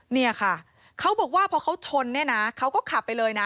นี่ค่ะเขาบอกว่าเพราะเขาชนเขาก็ขับไปเลยนะ